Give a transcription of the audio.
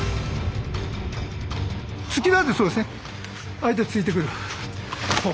相手突いてくる。